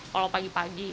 kalau pagi pagi